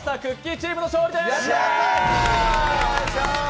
チームの勝利です。